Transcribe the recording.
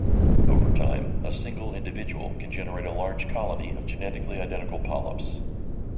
Over time, a single individual can generate a large colony of genetically identical polyps.